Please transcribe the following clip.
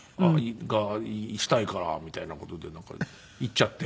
「がしたいから」みたいな事でなんか行っちゃって。